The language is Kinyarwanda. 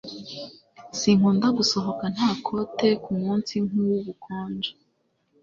Sinkunda gusohoka nta kote kumunsi nkubukonje